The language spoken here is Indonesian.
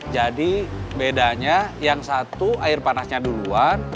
jadi bedanya yang satu air panasnya duluan